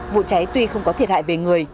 vụ cháy tuy không có thiệt hại về người